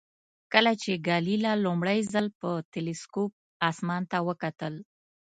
کله چې ګالیله لومړی ځل په تلسکوپ اسمان ته وکتل.